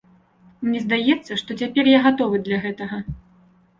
Мне здаецца, што цяпер я гатовы для гэтага.